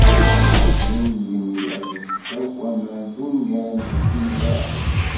"Ɛecrin n yemyalen ddaw waman" d ungal n Jules Verne.